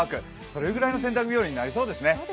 それぐらいの洗濯日和になりそうですね。